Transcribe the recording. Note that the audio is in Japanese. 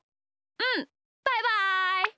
うんバイバイ。